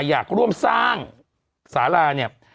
อยากร่วมสร้างสารา